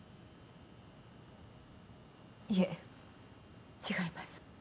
いえ違います。